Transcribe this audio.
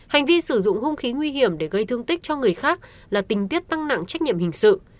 hành vi sử dụng hung khí nguy hiểm để gây thương tích cho người khác là tình tiết tăng nặng trách nhiệm hình sự